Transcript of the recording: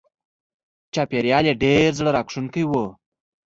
چاپېریال یې ډېر زړه راښکونکی و.